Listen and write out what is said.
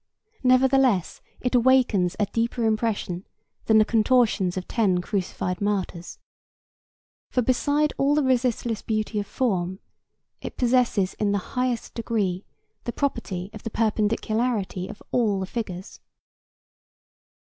Nevertheless, it awakens a deeper impression than the contortions of ten crucified martyrs. For beside all the resistless beauty of form, it possesses in the highest degree the property of the perpendicularity of all the figures."